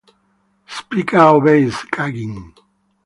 Spica obeys, gagging.